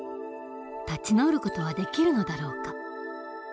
立ち直る事はできるのだろうか？